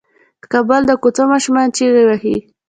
د کابل د کوڅو ماشومان چيغې وهي.